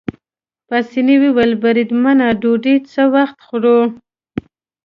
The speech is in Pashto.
پاسیني وویل: بریدمنه ډوډۍ څه وخت خورو؟